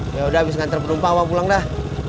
yaudah abis ngantre penumpang aku pulang dah